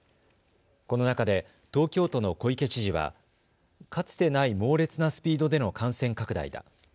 この中で東京都の小池知事はかつてない猛烈なスピードでの感染拡大だ。